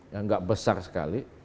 yang tidak besar sekali